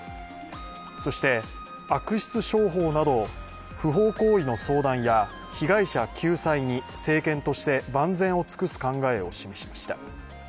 そして悪質商法など不法行為の相談や被害者救済に、政権として万全を尽くす考えを示しました。